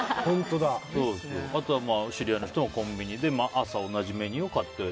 あとは、知り合いの人もコンビニで朝同じメニューを買って。